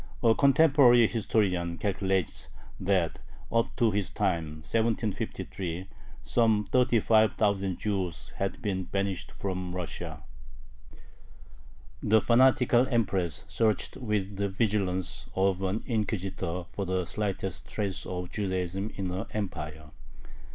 A contemporary historian calculates that up to his time (1753) some 35,000 Jews had been banished from Russia. The fanatical Empress searched with the vigilance of an inquisitor for the slightest trace of Judaism in her Empire.